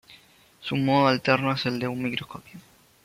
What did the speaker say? Su modo alterno es el de un microscopio.